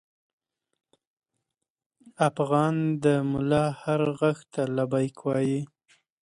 افغان د ملا هر غږ ته لبیک وايي.